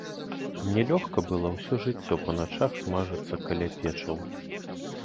Мне лёгка было ўсё жыццё па начах смажыцца каля печаў?